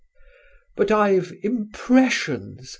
"But I've 'Impressions.'